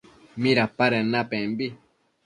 ¿Midapaden napembi?